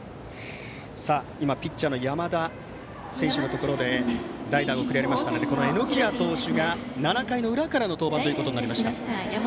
今、ピッチャーの山田選手のところに代打が送られましたので榎谷投手が７回の裏からの登板となりました。